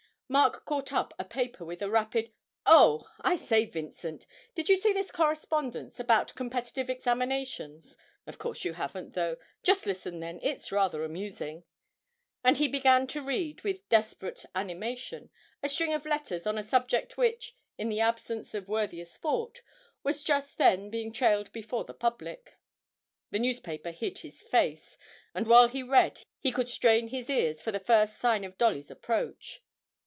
Mark caught up a paper with a rapid, 'Oh! I say, Vincent, did you see this correspondence about competitive examinations? Of course you haven't, though just listen then, it's rather amusing!' and he began to read with desperate animation a string of letters on a subject which, in the absence of worthier sport, was just then being trailed before the public. The newspaper hid his face, and while he read he could strain his ears for the first sign of Dolly's approach.